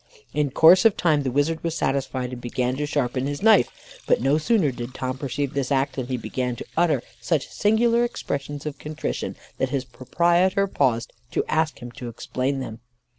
In course of time, the wizard was satisfied, and began to sharpen his knife; but no sooner did Tom perceive this act, than he began to utter such singular expressions of contrition, that his proprietor paused to ask him to explain them.